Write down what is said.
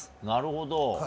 なるほど。